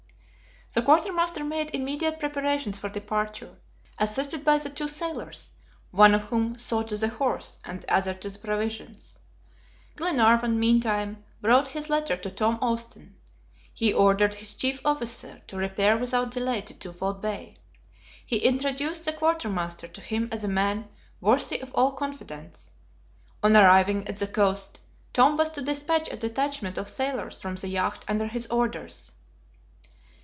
The quartermaster made immediate preparations for departure, assisted by the two sailors, one of whom saw to the horse and the other to the provisions. Glenarvan, meantime, wrote his letter for Tom Austin. He ordered his chief officer to repair without delay to Twofold Bay. He introduced the quartermaster to him as a man worthy of all confidence. On arriving at the coast, Tom was to dispatch a detachment of sailors from the yacht under his orders.